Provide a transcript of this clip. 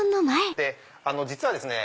実はですね